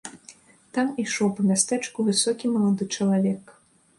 Там ішоў па мястэчку высокі малады чалавек.